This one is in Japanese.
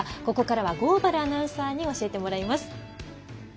ここからは合原アナウンサーに教えてもらいます。